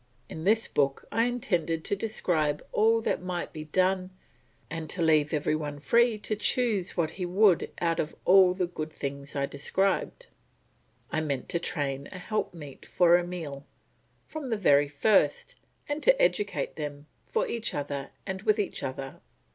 In this book I intended to describe all that might be done and to leave every one free to choose what he could out of all the good things I described. I meant to train a helpmeet for Emile, from the very first, and to educate them for each other and with each other.